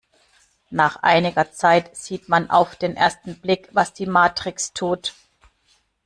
Nach einiger Zeit sieht man auf den ersten Blick, was die Matrix tut.